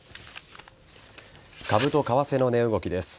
株と為替の値動きです。